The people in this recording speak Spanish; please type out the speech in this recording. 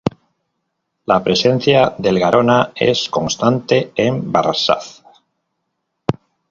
La presencia del Garona es constante en Barsac.